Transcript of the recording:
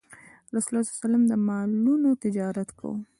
رسول الله ﷺ د مالونو تجارت کاوه.